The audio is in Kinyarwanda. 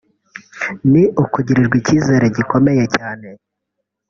ni ukugirirwa icyizere gikomeye cyane